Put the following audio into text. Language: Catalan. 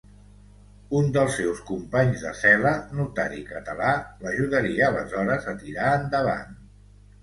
Un dels seus companys de cel·la, notari català, l'ajudaria aleshores a tirar endavant.